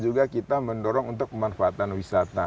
juga kita mendorong untuk pemanfaatan wisata